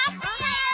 おはよう。